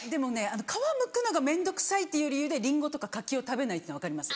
皮むくのが面倒くさいっていう理由でリンゴとか柿を食べないっていうの分かります。